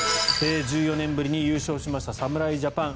１４年ぶりに優勝しました侍ジャパン。